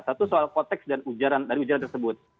satu soal konteks dari ujaran tersebut